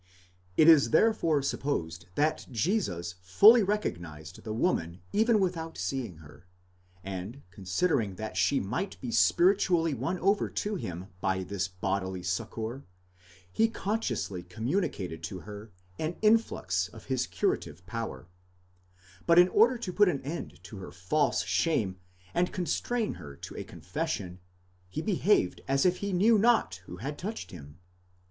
It is therefore supposed that Jesus fully recognized the woman even without seeing her, and considering that she might be spiritually won over to him by this bodily succour, he consciously communicated to her an influx of his curative power; but in order to put an end to her false shame and constrain her to a confession, he behaved as if he knew not who had touched him.